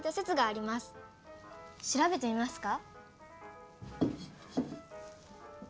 しらべてみますか？